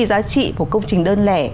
giá trị của công trình đơn lẻ